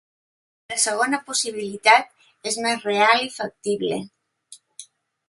La segona possibilitat és més real i factible.